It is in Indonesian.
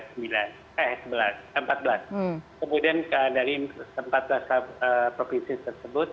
kemudian dari empat belas provinsi tersebut